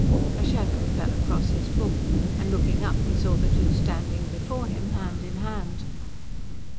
A shadow fell across his book, and looking up he saw the two standing before him hand in hand.